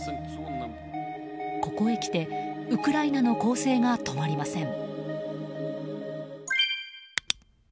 ここへきてウクライナの攻勢が止まりません。